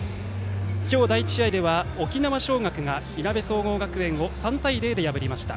今日、第１試合では沖縄尚学が、いなべ総合学園を３対０で破りました。